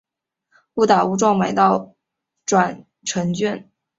误打误撞买到转乘券